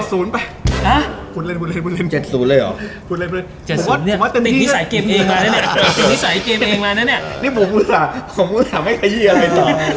ขอบคุณค่ะขอบคุณค่ะไม่ไขเยี่ยมอะไรต่อ